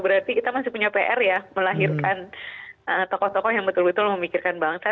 berarti kita masih punya pr ya melahirkan tokoh tokoh yang betul betul memikirkan bangsa